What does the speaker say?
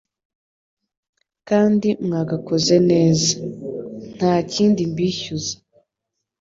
kandi mwagakoze neza. Ntakindi mbishyuza